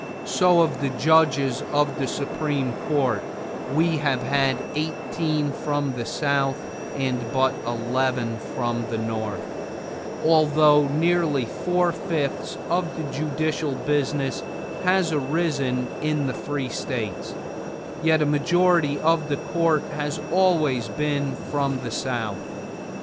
So of the judges of the Supreme Court, we have had eighteen from the South and but eleven from the North; although nearly four fifths of the judicial business has arisen in the free states, yet a majority of the Court has always been from the South.